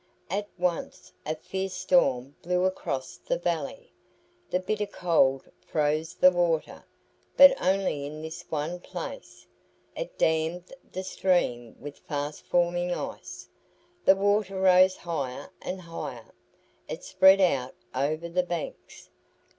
At once a fierce storm blew across the valley. The bitter cold froze the water, but only in this one place. It dammed the stream with fast forming ice. The water rose higher and higher. It spread out over the banks.